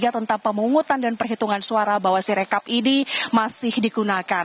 tentang pemungutan dan perhitungan suara bahwa sirekap ini masih digunakan